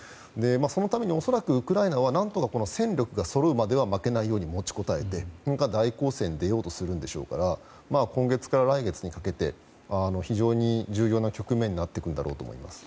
そのために恐らくウクライナは何とか戦力がそろうまでは負けないように持ちこたえて大攻勢に出ようとするんでしょうから今月から来月にかけて非常に重要な局面になってくるんだろうと思います。